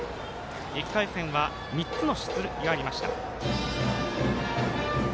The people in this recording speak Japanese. １回戦は３つの出塁がありました。